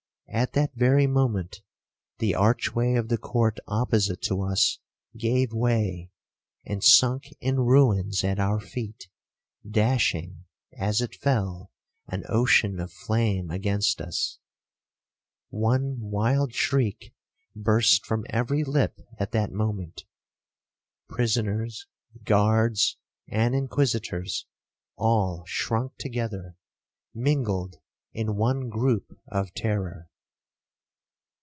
At that very moment, the archway of the court opposite to us gave way, and sunk in ruins at our feet, dashing, as it fell, an ocean of flame against us. One wild shriek burst from every lip at that moment. Prisoners, guards, and Inquisitors, all shrunk together, mingled in one groupe of terror.